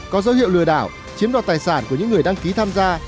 có dấu hiệu lừa đảo chiếm đoạt tài sản của những người đăng ký tham gia